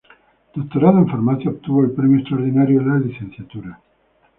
Doctorado en Farmacia, obtuvo el premio extraordinario en la licenciatura.